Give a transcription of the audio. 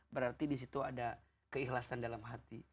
berarti disitu ada keikhlasan dalam hati